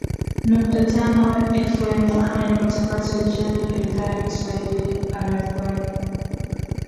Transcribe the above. nukta tano fm haya ni matangazo ya jioni ya idhaa ya kiswahili rfi